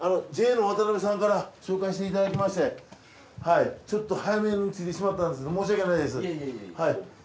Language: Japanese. ＪＡのワタナベさんから紹介していただきましてちょっと早めに着いてしまったんですけど申し訳ないです。